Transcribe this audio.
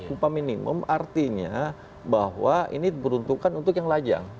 upah minimum artinya bahwa ini diperuntukkan untuk yang lajang